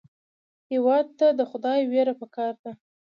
هېواد ته د خدای وېره پکار ده